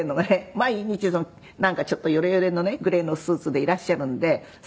毎日なんかちょっとヨレヨレのねグレーのスーツでいらっしゃるので撮影に。